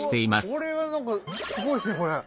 これはなんかすごいっすねこれ。